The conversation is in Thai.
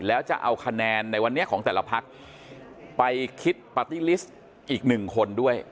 แล้วจะเอาคะแนนในวันนี้ของแต่ละพักไปคิดปาร์ตี้ลิสต์อีกหนึ่งคนด้วย